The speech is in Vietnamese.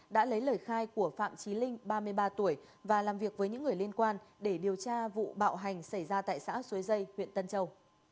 đã lấy lời khai của phạm trí linh ba mươi ba tuổi và làm việc với những người liên quan để điều tra vụ bạo hành xảy ra tại xã suối dây huyện tân châu